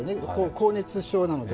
高熱症なので。